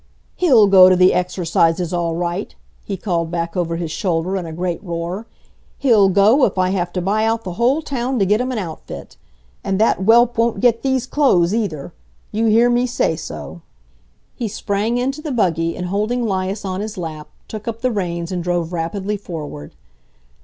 "He'll go to the exercises all right!" he called back over his shoulder in a great roar. "He'll go, if I have to buy out the whole town to get him an outfit! And that whelp won't get these clothes, either; you hear me say so!" He sprang into the buggy and, holding 'Lias on his lap, took up the reins and drove rapidly forward.